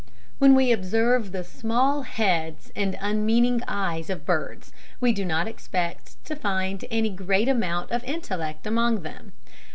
When we observe the small heads and unmeaning eyes of birds, we do not expect to find any great amount of intellect among them.